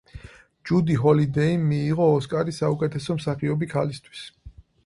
ჯუდი ჰოლიდეიმ მიიღო ოსკარი საუკეთესო მსახიობი ქალისთვის.